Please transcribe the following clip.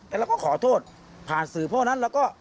แต่เราก็ขอโทษผ่านสื่อเพราะฉะนั้นเราก็